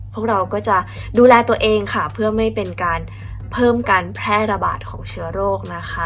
พวกเราก็จะดูแลตัวเองค่ะเพื่อไม่เป็นการเพิ่มการแพร่ระบาดของเชื้อโรคนะคะ